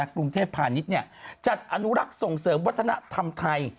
กรุงเทพพาณิชย์จัดอนุรักษ์ส่งเสริมวัฒนธรรมไทย